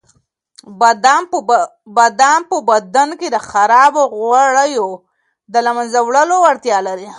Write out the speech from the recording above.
بادام په بدن کې د خرابو غوړیو د له منځه وړلو وړتیا لري.